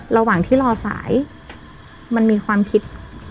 ระหว่างที่รอสายมันมีความผิด